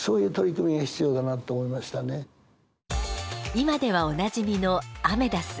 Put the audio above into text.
今ではおなじみのアメダス。